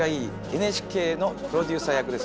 ＮＨＫのプロデューサー役です。